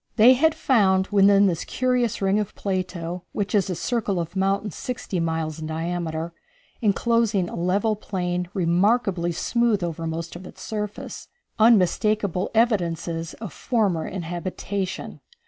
They had found within this curious ring of Plato, which is a circle of mountains sixty miles in diameter, enclosing a level plain remarkably smooth over most of its surface, unmistakable evidences of former inhabitation.